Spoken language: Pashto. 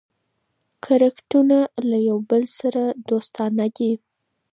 کرکټرونه له یو بل سره دوستانه دي.